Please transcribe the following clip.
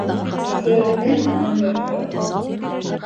Әсәйемдең һеңлеһе!